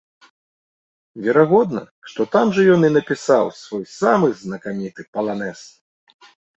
Верагодна, што там жа ён і напісаў свой самы знакаміты паланэз!